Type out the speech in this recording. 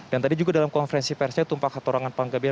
dan tadi juga dalam konferensi persnya itu empat katorangan panggabitan